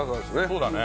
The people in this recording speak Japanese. そうだね。